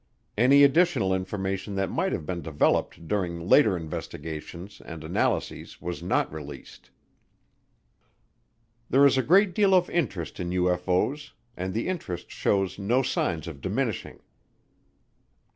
Any additional information that might have been developed during later investigations and analyses was not released. There is a great deal of interest in UFO's and the interest shows no signs of diminishing.